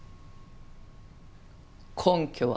根拠は？